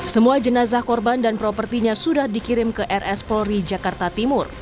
semua jenazah korban dan propertinya sudah dikirim ke rs polri jakarta timur